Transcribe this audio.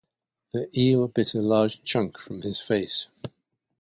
The eel bit a large chunk from his face.